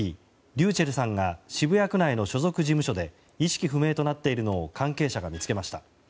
ｒｙｕｃｈｅｌｌさんが渋谷区内の所属事務所で意識不明となっているのを関係者が見つけました。